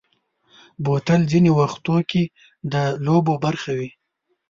بوتل ځینې وختو کې د لوبو برخه وي.